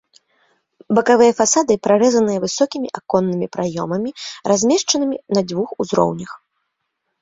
Бакавыя фасады прарэзаныя высокімі аконнымі праёмамі, размешчанымі на двух узроўнях.